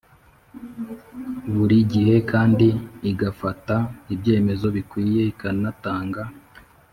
Buri gihe kandi igafata ibyemezo bikwiye ikanatanga